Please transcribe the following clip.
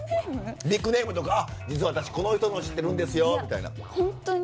ビッグネームとか実は私この人知ってるんですよとか。